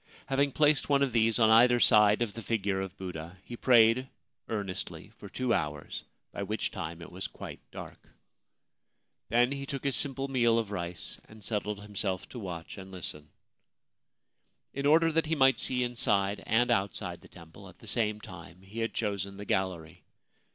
Having placed one of these on either side of the figure of Buddha, he prayed earnestly for two hours, by which time it was quite dark. Then he took his 40 A Haunted Temple in Inaba Province simple meal of rice, and settled himself to watch and listen. In order that he might see inside and outside the temple at the same time, he had chosen the gallery.